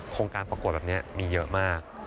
โครงการประกวดแบบนี้มีเยอะมาก